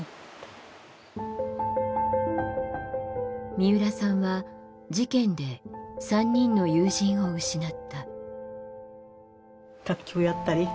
三浦さんは事件で３人の友人を失った。